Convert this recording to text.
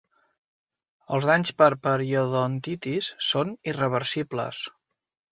Els danys per periodontitis són irreversibles.